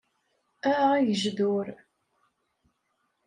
A agejdur!